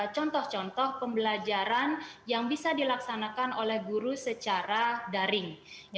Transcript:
contoh contoh pembelajaran yang bisa dilaksanakan oleh guru secara daring